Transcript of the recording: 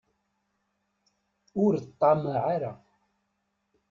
Ur ṭṭamaɛ ara.